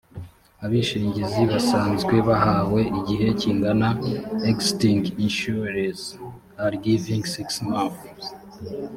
abishingizi basanzwe bahawe igihe kingana existing insurers are given six months